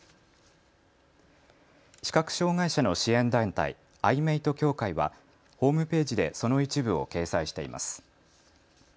視覚障害者の支援団体、アイメイト協会はホームページでその一部を掲載しています。